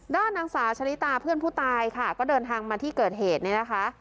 ด้านนางสาวชะลิตาเพื่อนผู้ตายค่ะก็เดินทางมาที่เกิดเหตุเนี่ยนะคะ